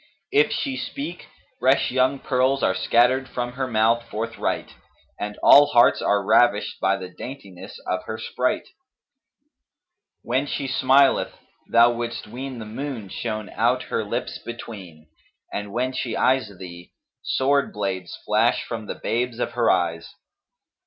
If she speak, fresh young pearls are scattered from her mouth forthright and all hearts are ravished by the daintiness of her sprite; when she smileth thou wouldst ween the moon shone out her lips between and when she eyes thee, sword blades flash from the babes of her eyes.